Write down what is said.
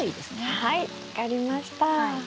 はい分かりました。